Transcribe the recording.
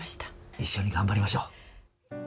一緒に頑張りましょう。